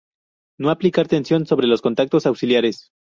No aplicar tensión sobre los contactos auxiliares.